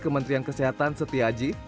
kementerian kesehatan setiaji